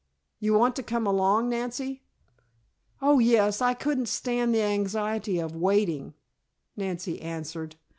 You want to come along, Nancy?" "Oh, yes, I couldn't stand the anxiety of waiting," Nancy answered.